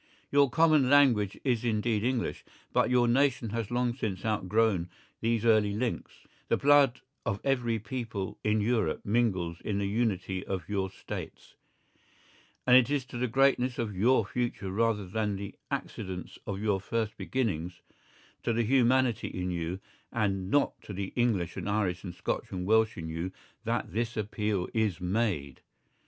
Your common language is indeed English, but your nation has long since outgrown these early links, the blood of every people in Europe mingles in the unity of your States, and it is to the greatness of your future rather than the accidents of your first beginnings, to the humanity in you, and not to the English and Irish and Scotch and Welsh in you that this appeal is made.